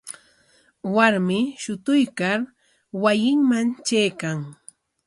Warmi shutuykar wasinman traykan.